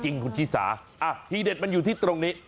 คุณชิสาที่เด็ดมันอยู่ที่ตรงนี้